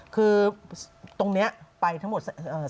คือตรงนี้ไปทั้งหมด